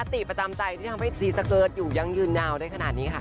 ติประจำใจที่ทำให้ซีสเกิร์ตอยู่ยังยืนยาวได้ขนาดนี้ค่ะ